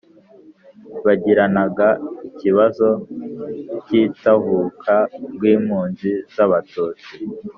bagiranaga ikibazo cy'itahuka rw'impunzi z'abatutsi